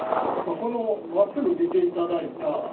このまっすぐ見ていただいた